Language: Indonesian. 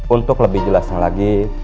untuk lebih jelas lagi